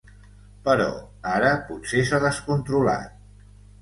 Però ara potser s’ha descontrolat.